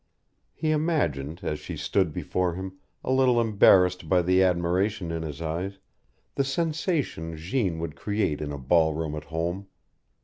He imagined, as she stood before him, a little embarrassed by the admiration in his eyes, the sensation Jeanne would create in a ballroom at home.